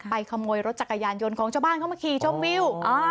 ไปขโมยรถจักรยานยนต์ของเจ้าบ้านเขาเมื่อกี้ช่องวิว